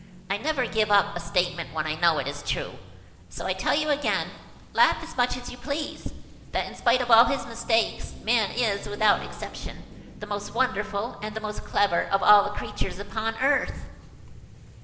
I never give up a statement when I know it is true: and so I tell you again–laugh as much as you please–that, in spite of all his mistakes, man is, without exception, the most wonderful and the most clever of all the creatures upon earth!"